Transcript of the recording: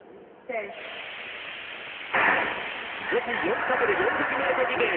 女子４×４００ｍリレー。